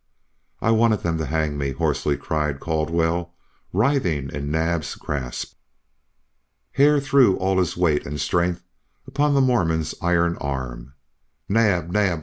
"I wanted them to hang me," hoarsely cried Caldwell, writhing in Naab's grasp. Hare threw all his weight and strength upon the Mormon's iron arm. "Naab! Naab!